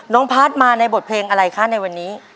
น้องพัฒน์มาในบทเพลงอะไรคะในวันนี้